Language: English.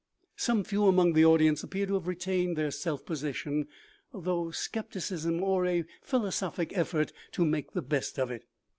Some few among the audience appeared to have retained their self possession, through scepticism or a philosophic effort to make the best of it.